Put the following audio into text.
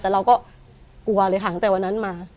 แต่เราก็กลัวเลยค่ะตั้งแต่วันนั้นมา